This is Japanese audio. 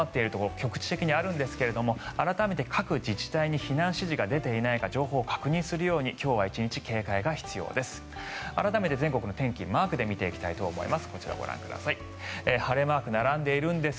局地的にあるんですが改めて各自治体に避難指示が出ていないか情報を確認するように今日は１日警戒が必要です。